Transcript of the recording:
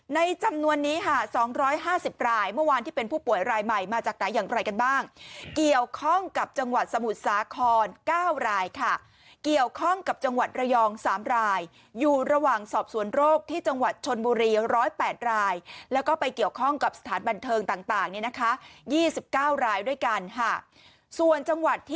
จำนวนนี้ค่ะ๒๕๐รายเมื่อวานที่เป็นผู้ป่วยรายใหม่มาจากไหนอย่างไรกันบ้างเกี่ยวข้องกับจังหวัดสมุทรสาคร๙รายค่ะเกี่ยวข้องกับจังหวัดระยอง๓รายอยู่ระหว่างสอบสวนโรคที่จังหวัดชนบุรี๑๐๘รายแล้วก็ไปเกี่ยวข้องกับสถานบันเทิงต่างเนี่ยนะคะ๒๙รายด้วยกันค่ะส่วนจังหวัดที่